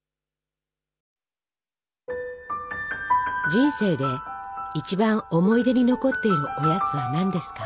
人生で一番思い出に残っているおやつは何ですか？